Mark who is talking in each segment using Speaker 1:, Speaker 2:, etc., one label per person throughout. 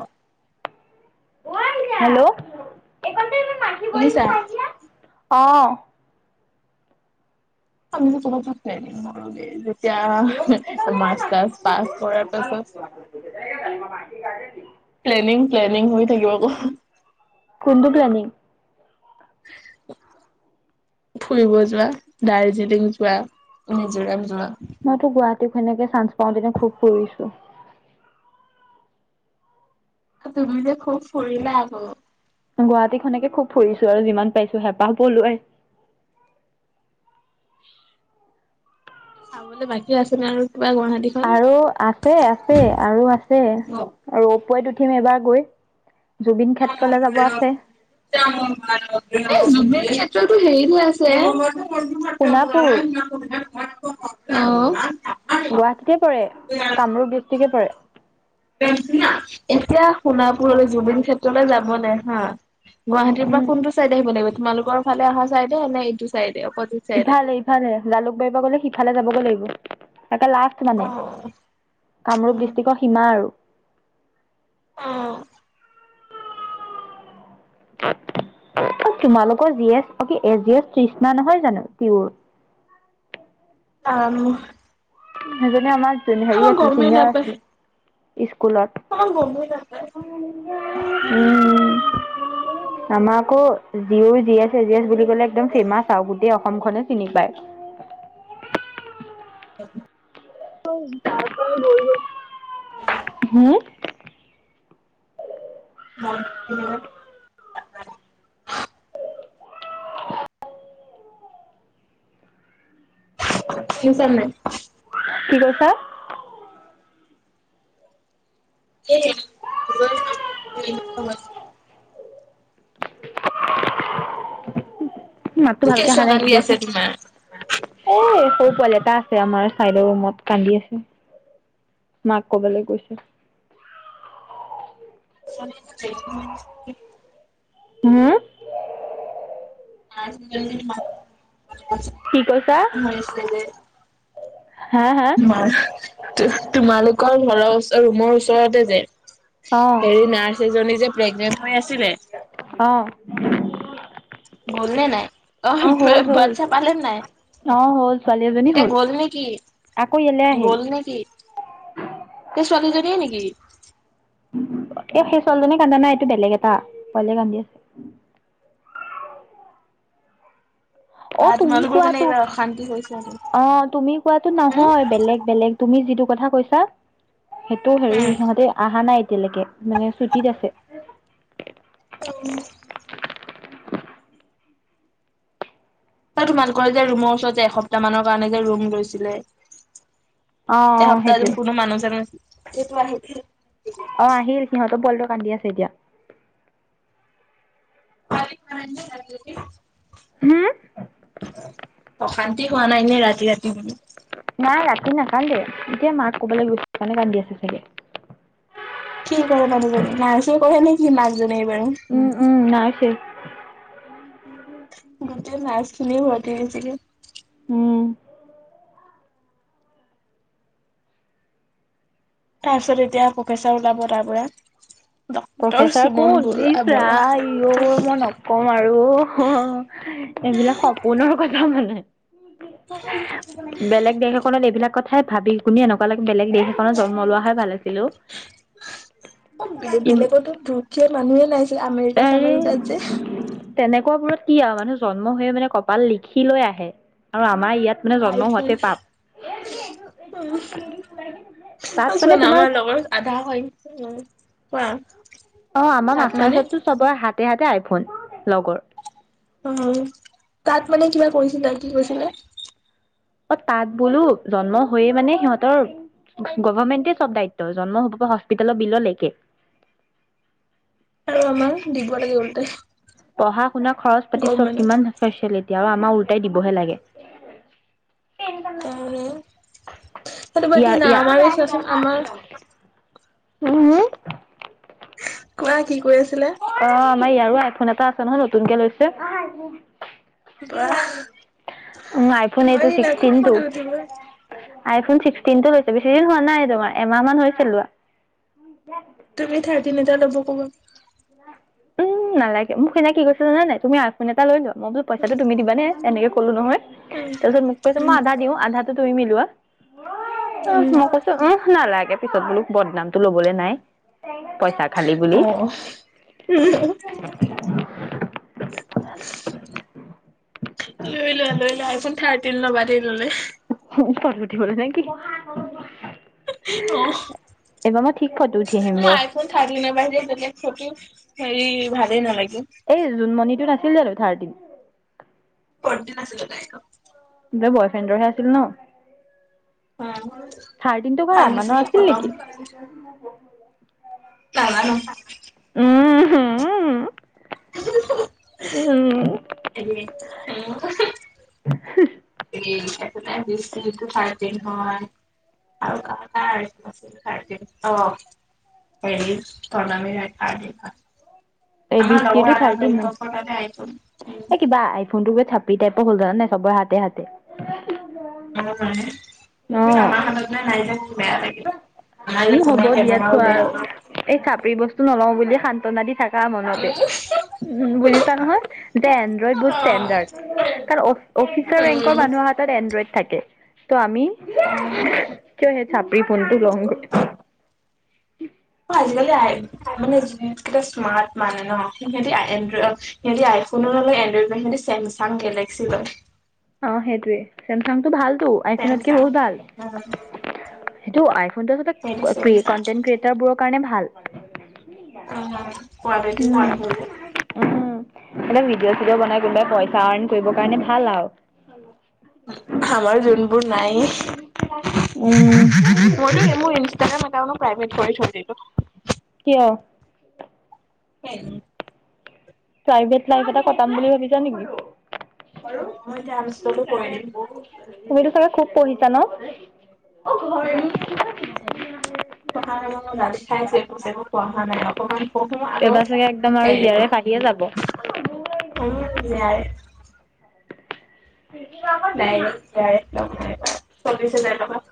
Speaker 1: অ'।
Speaker 2: অ' আইতা। এইকনতে ইমান মাখি পৰিছে
Speaker 1: শুনিছা
Speaker 2: চাহি আহ। অহ'।
Speaker 1: আমিযে ক'বাত যাওঁতে, [inaudible] যেতিয়া মাচটাৰ্ছ পাছ কৰাৰ পাছত
Speaker 2: [unintelligible]
Speaker 1: প্লেনিং, প্লেনিং হৈ থাকিব আকৌ।
Speaker 2: কোনটো প্লেনিং।
Speaker 1: [unintelligible] ফুৰিব যোৱা, দাৰ্জিলিং যোৱা, মিজোৰাম যোৱা।
Speaker 2: মইতো গুৱাহাটী সেনেকে চান্স পাওঁ তেনে খুব ফুৰিছোঁ।
Speaker 1: তুমি যে খুব ফুৰিলা আকৌ।
Speaker 2: গুৱাহাটীখন একে খুব ফুৰিছোঁ আৰু যিমান পাইৰিছোঁ হেঁপাহ পলোৱাই।
Speaker 1: চাবলৈ বাকী আছে নে আৰু কিবা গুৱাহাটীত?
Speaker 2: আৰু আছে আছে আৰু আছে আৰু অপৈত উঠিম এবাৰ গৈ। জুবিন ক্ষেত্ৰলৈ যাব আছে।
Speaker 1: [unintelligible] এই যুবিন ক্ষেত্ৰতো হেৰিত
Speaker 2: সোণাপুৰ
Speaker 1: হে আছে। অ'।
Speaker 2: গুৱাহাটীতে পৰে, কামৰূপ ডিষ্ট্ৰিকে পৰে।
Speaker 1: এতিয়া সোণাপুৰলে জুবিন ক্ষেত্ৰলে যাবলে হা গুৱাহাটীৰ পা
Speaker 2: উম,
Speaker 1: কোনটো চাইডে আহিব লাগিব তোমালোকৰ ফালে অহা চাইডে নে এইটো চাইডে অপজিত চাইডে
Speaker 2: ইফালে ইফালে জালুকবাৰীৰ পা গলে সিফালে যাবগৈ লাগিব একে লাষ্ট মানে। কামৰূপ ডিষ্ট্ৰিকৰ সীমা আৰু।
Speaker 1: অ'।
Speaker 2: ও তোমালোকৰ জি এছ অ' কি এ জি এছ তৃষ্ণা নহয় জানো তিহুৰ?
Speaker 1: আম
Speaker 2: সেইজনী আমাৰ জনী হেৰি
Speaker 1: আমাৰ
Speaker 2: আছিল
Speaker 1: গমেই
Speaker 2: চিনিয়ৰ
Speaker 1: নাপায়
Speaker 2: আছিলে। স্কুলত,
Speaker 1: আমাৰ গমেই নাপায়
Speaker 2: উম। আমাৰ আকৌ জি উৰ জি এছ এ জি এছ বুলি ক'লে একদম ফেমাচ আৰু গোটেই অসম খনে চিনি পায়।
Speaker 1: তাৰ পৰাই বৈ গল।
Speaker 2: হম?
Speaker 1: [unintelligible] ফিউচাৰ নাই।
Speaker 2: কি কৈছা?
Speaker 1: [unintelligible]
Speaker 2: মাতটো ভালকে
Speaker 1: কেঁচুৱা
Speaker 2: আহা নাই, কি
Speaker 1: কান্দি আছে
Speaker 2: কৈছা? এ সৰু পোৱালি এটা আছে আমাৰ চাইদৰ ৰুমত কান্দি আছে। মাক ক'বালৈ গৈছে।
Speaker 1: [unintelligible]
Speaker 2: হুম?
Speaker 1: [unintelligible]
Speaker 2: কি কৈছা? হা হা?
Speaker 1: মাৰ তো-তোমালোকৰ ঘৰৰ ওচৰ ৰুমৰ ওচৰতে যে
Speaker 2: অ
Speaker 1: হেৰি নাৰ্ছ এজনী যে প্ৰেগনেন্ট হৈ আছিলে।
Speaker 2: অ'।
Speaker 1: গলনে নাই অ' পে
Speaker 2: হ'ল হ'ল
Speaker 1: বাচ্ছা পালে নে নাই?
Speaker 2: অ হ'ল ছোৱালী এজনী
Speaker 1: এতিয়া
Speaker 2: হ'ল
Speaker 1: গল নেকি?
Speaker 2: আকৌ ইয়ালৈ আহিল
Speaker 1: গল নেকি? সেই ছোৱালীজনীয়ে নেকি?
Speaker 2: এ সেই ছোৱালজনী কান্দা নাই এইটো বেলেগ এটা পোৱালিয়ে কান্দি আছে।
Speaker 1: বা
Speaker 2: অ', তুমি
Speaker 1: তোমালোকৰ মানে
Speaker 2: কোৱাাতটো
Speaker 1: এইবাৰ অশান্তি হৈছে আৰু
Speaker 2: অ', তুমি কোৱা
Speaker 1: হম
Speaker 2: নহয় বেলেগ বেলেগ তুমি যিটো কথা কৈছা সেইটো হেৰি সিহঁতে অহা নাই এতিয়ালৈকে মানে ছুটিত আছে।
Speaker 1: উম। তোমালোকলে যে ৰুমৰ ওচৰত যে এসপ্তাহ মানৰ কাৰণে যে ৰুম লৈছিলে?
Speaker 2: অ অ
Speaker 1: এসপ্তাহ,
Speaker 2: সেইটোৱে
Speaker 1: কোনো মানুহ-চানুহ [unintelligible]
Speaker 2: অ'! আহিল, সিহঁত পোৱালিটো কান্দি আছে, এতিয়া।
Speaker 1: [unintelligible]
Speaker 2: হোঁ?
Speaker 1: অশান্তি হোৱা নাই নে ৰাতি-ৰাতি মানে?
Speaker 2: নাই, ৰাতি নাকান্দে। ‌ এতিয়া মাক ক'ৰবালৈ গৈছে, সেইকাৰণে কান্দি আছে চাগে।
Speaker 1: কি কৰে মানুহজনী, নাৰ্চিং কৰে নেকি, মাকজনী এই বাৰু?
Speaker 2: উম, উম, নাৰ্চিং।
Speaker 1: গোটেই নাৰ্চখিনি ভৰ্তি হৈছেগে।
Speaker 2: উম।
Speaker 1: তাৰপিছত এতিয়া, প্ৰফেচাৰ ওলাব তাৰপৰা।
Speaker 2: প্ৰফেচাৰ কোন? ইছ
Speaker 1: বৰা।
Speaker 2: ৰাম! ইয় মই ন কম আৰু অ' এইবিলাক সপোনৰ কথা মানে।
Speaker 1: [unintelligible]
Speaker 2: বেলেগ দেশ এখনত এইবিলাক কথাই ভাবি-শুনিয়ে, এনেকুৱা লাগে, বেলেগ দেশ এখনত জন্ম লোৱাহে ভাল আছিলে, অ'।
Speaker 1: অ' বেলেগতো দুখীয়া মানুহে, নাইছিলে, আমেৰিকা-চামেৰিকাত যে।
Speaker 2: তেনেকুৱা বোৰত কি আৰু মানুহ জন্ম হৈয়ে মানে, কপাল লিখি লৈ আহে। আৰু আমাৰ ইয়াত মানে জন্ম হোৱাতে পাপ।
Speaker 1: উম,
Speaker 2: তাত
Speaker 1: অ'
Speaker 2: মানে
Speaker 1: চোৱানা,
Speaker 2: তোমাৰ
Speaker 1: আমাৰ লগৰ আধা সৈ [unintelligible] কোৱা?
Speaker 2: অ'! আমাৰ মাষ্টাৰ
Speaker 1: মানে
Speaker 2: ওচৰততো চবৰ হাতে-হাতে আইফোন, লগৰ।
Speaker 1: উম, তাত মানে, কিবা কৰিছিলে, কি কৈছিলে?
Speaker 2: অ' তাত বোলোঁ, জন্ম হৈয়ে মানে, সিহঁতৰ গভাৰ্মেণ্টে চব দায়িত্ব। জন্ম হ'ব, হস্পিতেলৰ বিল লৈকে।
Speaker 1: আৰু আমাৰ, দিব লাগে উল্টাই।
Speaker 2: পঢ়া-শুনা খৰচ-পাতি চব কিমান ফেচেলিটি। আৰু আমাৰ, উল্টাই দিবহে লাগে।
Speaker 1: সেইটো বাত দিয়া
Speaker 2: ইয়াৰ
Speaker 1: না?
Speaker 2: ইয়াৰ
Speaker 1: আমাৰ চোৱাচোন, আমাৰ।
Speaker 2: উম।
Speaker 1: কোৱা কি কৈ আছিলে?
Speaker 2: অ'! আমাৰ ইয়াৰো আইফোন এটা আছে নহয়, নতুনকে লৈছে।
Speaker 1: বাহ
Speaker 2: [unintelligible] উম, আইফোন
Speaker 1: তোমাৰ
Speaker 2: এইটো,
Speaker 1: দিনা খুব
Speaker 2: ছিক্সটিনটো।
Speaker 1: ফটো উঠিব।
Speaker 2: আইফোন ছিক্সটিনটো লৈছে, বেছি দিন হোৱা নাই তোমাৰ, এমাহ মান হৈছে লোৱা।
Speaker 1: তুমি থাৰ্টিন এটা ল'ব ক'বা।
Speaker 2: উম, নালাগে। মোক সেইদিনা কি কৈছে, জান নাই! তুমি আইফোন এটা লৈ লোৱা? মই বোলো
Speaker 1: উম,
Speaker 2: পইচাটো তুমি দিবানে, এনেকে ক'লো নহয়!
Speaker 1: উম,
Speaker 2: তাৰপিছত, মোক কৈছে, মই
Speaker 1: উম,
Speaker 2: আধা দিওঁ, আধাটো তুমি মিলোৱা। [unintelligible] উম, নালাগে, পিছত বোলোঁ, বদনামটো লবলে নাই, পইচা খালি বুলি।
Speaker 1: অ',
Speaker 2: উম!
Speaker 1: লৈ লোৱা লৈ লোৱা, আইফোন থাৰ্টিন ল'বা দেই ল'লে।
Speaker 2: ফটো উঠিবলে নে কি? [unintelligible]
Speaker 1: অ'!
Speaker 2: এইবাৰ মই, ঠিক ফটো উঠি আহিম ৰ'।
Speaker 1: ফোন থাৰ্টিন [unintelligible] যেতিয়া ফটো, সেৰি ভালেই নালাগে।
Speaker 2: এই, জোনমণিটো নাছিল জানোঁ, থাৰ্টিন?
Speaker 1: ফ'ৰ্টিন আছিলে, তাইৰটো।
Speaker 2: তাৰ বয় ফ্ৰেণ্ডৰহে আছিল ন
Speaker 1: উম,
Speaker 2: থাৰ্টিনটো বাও আমানৰ
Speaker 1: ভাঙিছিঙি
Speaker 2: আছিল
Speaker 1: খতম
Speaker 2: নিকি
Speaker 1: নাজানো
Speaker 2: উমহুম উম
Speaker 1: [unintelligible]
Speaker 2: উম
Speaker 1: [unintelligible] এই এইটো যে বি ছিটো থাৰ্টিন হয় আৰু কাৰ কাৰ [unintelligible] আছিল থাৰ্টিন অ [unintelligible]
Speaker 2: এই বিশ
Speaker 1: আমাৰ
Speaker 2: টিৰটো
Speaker 1: লগৰ
Speaker 2: থাৰ্টিন ন?
Speaker 1: এটা
Speaker 2: এই
Speaker 1: [unintelligible]
Speaker 2: কিবা আইফোন টো যে থাপি টাইপৰ হল জানানে নাই চবৰ হাতে হাতে
Speaker 1: আমা নাই কিন্তু
Speaker 2: অ',
Speaker 1: আমাৰ হাতত নাই যে বেয়া লাগে
Speaker 2: উম হ'ব দিয়া থোৱা
Speaker 1: বেয়া।
Speaker 2: আৰু এই চাপি বস্তু নলও বুলি সান্তনা দি থাকা মনতে
Speaker 1: উম,
Speaker 2: বুজিছা নহয় যে এনড্ৰইড বহুত ষ্টেণ্ডাৰ্ড কাৰণ অ অফিচৰ
Speaker 1: উম,
Speaker 2: ৰেংকৰ মানুহৰ হাতত এনড্ৰইড থাকে ত' আমি
Speaker 1: অ',
Speaker 2: কিয় সেই চাপৰি ফোনটো লওঁগে উম
Speaker 1: আজিকালি আই মানে যিহত স্মাৰ্ট মানে ন সিহতি এনড্ৰইড সিহঁতি আইফোনো নলয় এনড্ৰইডও নলয় সিহঁতি চেমচাং গেলেক্সি লয়
Speaker 2: অ সেইটোয়ে চমচং টো ভাল তো আইফনতকে
Speaker 1: চেমচাং।
Speaker 2: বহুত ভাল
Speaker 1: উম,
Speaker 2: সেটো আইফনটো এটা
Speaker 1: সেইটো
Speaker 2: ক্ৰিয়ে
Speaker 1: চেমচাং
Speaker 2: কন্টেন্ট ক্ৰিয়ে টাৰবোৰৰ কাৰণে ভাল
Speaker 1: অ কোৱালেটি ভাল
Speaker 2: উম
Speaker 1: আছে যে
Speaker 2: উম এনে ভিডিঅ' চিডিঅ বনাই কিনে পইচা আৰ্ণ কৰিব কাৰণে ভাল আৰু
Speaker 1: আমাৰ যোনবোৰ নাইয়ে মইতো নি মোৰ ইনষ্টাগ্ৰাম একাউণ্টো প্ৰাইভেট কৰি থৈ দিলো
Speaker 2: কিয়
Speaker 1: [unintelligible]
Speaker 2: প্ৰাইভেট লাইফ এটা কটাম বুলি ভাবিছ নেকি
Speaker 1: মই এতিয়া আনইনষ্টলো কৰি দিম।
Speaker 2: তুমিতো চাগে খুব পঢ়িছা ন অ ঘৰ
Speaker 1: উম
Speaker 2: এৰি
Speaker 1: পঢ়া নামত মই গালি খাই আছো একো চেহো পঢ়া নাই অকমান পঢ়ো আকৌ
Speaker 2: এইবাৰ চাগে একদম আৰু
Speaker 1: হেৰি
Speaker 2: জে আৰ
Speaker 1: হয়
Speaker 2: এফ আহিয়ে যাব
Speaker 1: উম যাই
Speaker 2: [unintelligible]
Speaker 1: ডাইৰেক্ট [unintelligible] চল্লিশ হাজাৰ টকা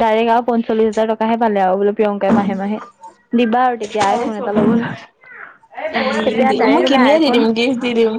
Speaker 2: ডাইৰেক্ট আৰু পঞ্চল্লিশ হাজাৰ টকাহে পালে আৰু বোলে প্ৰিয়ংকাই মাহে মাহে দিবা আৰু তেতিয়া আই
Speaker 1: এই
Speaker 2: ফোন এটা
Speaker 1: চল্লিশ
Speaker 2: ল'বলৈ
Speaker 1: হাজাৰ। উম
Speaker 2: তেতিয়া
Speaker 1: দি মই
Speaker 2: ডাইৰেক্ট বোলে
Speaker 1: কিনিয়ে দি দিম
Speaker 2: আইফোন
Speaker 1: গিফ্ট দি দিম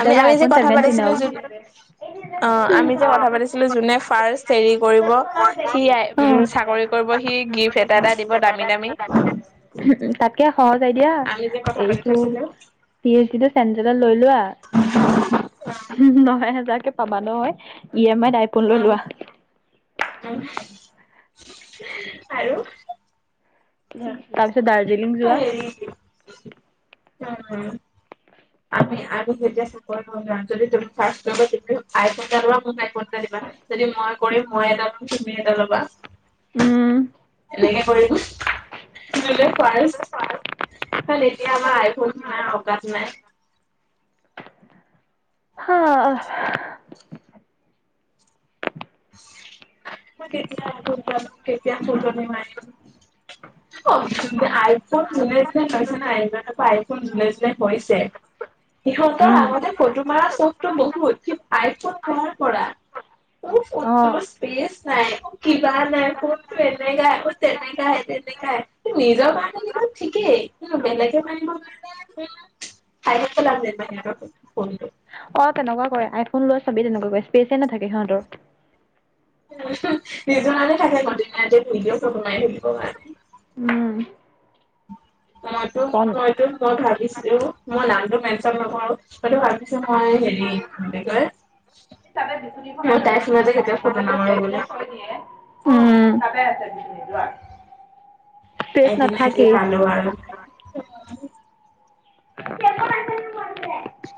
Speaker 1: আমি
Speaker 2: যে
Speaker 1: আমি
Speaker 2: আইফোন
Speaker 1: কথা
Speaker 2: ছেভেনটিন
Speaker 1: পাতিছিলো যোন
Speaker 2: [unintelligible]
Speaker 1: অ আমি যে কথা পাতিছ যোনে ফাৰ্ষ্ট হৰি কৰিব সি আই উম
Speaker 2: অ
Speaker 1: চাকৰি কৰিব সি গিফট এট দাদা দিব দামী দামী
Speaker 2: উ তাতকে সহজ আইডিয়া
Speaker 1: আমি যে কথা পাতি
Speaker 2: এইটো
Speaker 1: থৈছিলো
Speaker 2: পি এইচ ডিটো চেণ্টেলত লৈ লোৱা
Speaker 1: অ,
Speaker 2: ন হেজাৰকে পাবা নহয় ই এম আইত আইফোন লৈ লোৱা।
Speaker 1: [inaudible] আৰু
Speaker 2: তাৰপিছত দাৰ্জিলিং যোৱা
Speaker 1: হয় উম আমি আমি যে [unintelligible] তুমি স্বাস্থ্য বা ঠিকেই হল আই ফোন এটা লোৱা মোক আই ফোন এটা দিবা। যদি মই কৰিম মই এটা লম তুমি এটা ল'বা
Speaker 2: উম
Speaker 1: এনেকে কৰিব দিলে ফাৰ্ষ্ট কাৰণ এতিয়া আমাৰ আইফোন কিনাই অকাদ নাই।
Speaker 2: হাহ
Speaker 1: মই কেতিয়া আই ফোন এটা লম কেতিয়া ফটো মাৰিম আইফোন যোনে যোনে লৈছে না এণ্ড্ৰইডৰ পৰা আইফোন যোনে যোনে লৈছে সিহঁতৰ
Speaker 2: উম
Speaker 1: আগতে ফটো মাৰা চখটো বহু উঠিত আইফোন পোৱাৰ পৰা মোৰ
Speaker 2: অ
Speaker 1: ফটো স্পেচ নাই কিবা নাই টাইপ ফোনটো এনেকা অ তেনেকা এনেকাহে তেনেকাহে কিন্তু নিজৰ কাৰণে ঠিকেই কিন্তু বেলেগে মাৰিবৰ কাৰণে চাই থাকিব লাগে বাহিৰৰ ফোন [unintelligible]
Speaker 2: অ তেনেকুৱা কৰে আইফোন লৈ চবেই তেনেকুৱা কৰে স্পেচে নাথাকে সিহঁতৰ
Speaker 1: নিজৰে কাৰণে থাকে দিনে ৰতিয়ে ভিডিঅ ফটো মাৰি থাকিবৰ কাৰণে
Speaker 2: উম
Speaker 1: মইতো
Speaker 2: কম
Speaker 1: মইতো মই ভাবিছিলো মই নামটো মেনচন নকৰো মইতো ভাবিছো মই হেৰি কি কয়
Speaker 2: তাতে বিচনীখন
Speaker 1: মই
Speaker 2: আছে
Speaker 1: তাইৰ ফোনত
Speaker 2: বিচীখন
Speaker 1: যে কেতিয়াও ফটো নামাৰো বুলি
Speaker 2: [unintelligible] উম, তাতে আছে বিচনি যোৱা
Speaker 1: এদিনে যি পালো আৰু।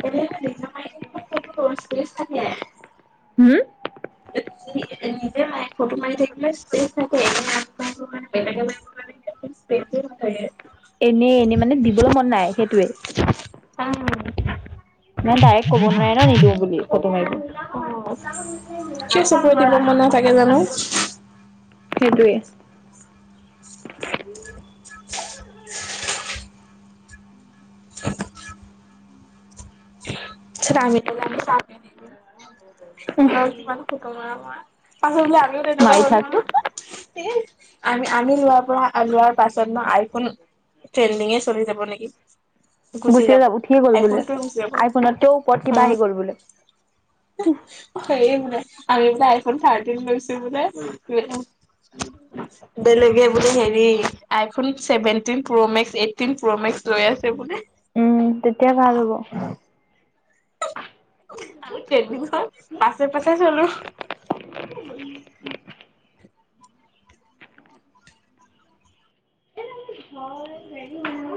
Speaker 1: এনে নিজৰ মাৰি থাকিব ফটো স্পেচ থাকে
Speaker 2: হম?
Speaker 1: এ এ নিজে মাৰি ফটো মাৰি থাকিবলে স্পেচ থাকে বেলেগে মাৰিব কাৰণে স্পেচে নাথাকে
Speaker 2: এনেই এনেই মানে দিবলৈ মন নাই, সেইটোৱে। মানে ডাইৰেক্ট ক'ব নোৱাৰি ন নিদিওঁ বুলি ফটো
Speaker 1: অ' কিয় চকুৰে
Speaker 2: মাৰিবলৈ
Speaker 1: দিব মন নাথাকে জানো
Speaker 2: সেইটোৱে।
Speaker 1: [inaudible] [inaudible]
Speaker 2: উহ
Speaker 1: [unintelligible] অ কিমানো ফটো মৰা মই পাছত বোলে আমিও তেনেকুৱা
Speaker 2: মাৰি
Speaker 1: হল
Speaker 2: থাক
Speaker 1: গলো আমি আমি লোৱাৰ পৰা লোৱাৰ পাছত ন আইফোন ট্ৰেনণ্ডিঙে‌ চলি যাব নেকি।
Speaker 2: গুচিয়ে যাব উঠিয়ে গ'ল বোলে
Speaker 1: আইফোনটোৱে গুচি যাব।
Speaker 2: আইফোনতকেও ওপৰত কিবা আহি গ'ল
Speaker 1: অ'
Speaker 2: বোলে
Speaker 1: হেৰি বোলে আমি বোলে আইফোন থাৰ্টিন লৈছো বোলে বেলেগে বোলে হেৰি iPhone seventeen pro max eighteen pro max লৈ আছে বোলে।
Speaker 2: উম তেতিয়া ভাল হ'ব।
Speaker 1: আমি ট্ৰেন্দিঙৰ পাছে পাছে চলো।
Speaker 2: উম [unintelligible]